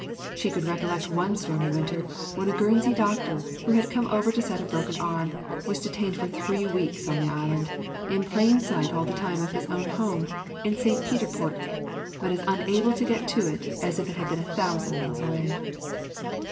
She could recollect one stormy winter, when a Guernsey doctor who had come over to set a broken arm was detained for three weeks on the island, in plain sight all the time of his own home in St. Peterport, but as unable to get to it as if it had been a thousand miles away!